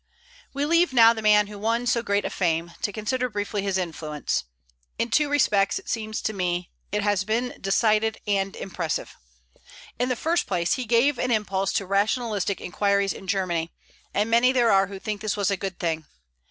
We leave now the man who won so great a fame, to consider briefly his influence. In two respects, it seems to me, it has been decided and impressive. In the first place, he gave an impulse to rationalistic inquiries in Germany; and many there are who think this was a good thing.